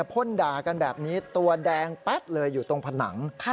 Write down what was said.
พ่นด่ากันแบบนี้ตัวแดงแป๊ดเลยอยู่ตรงผนัง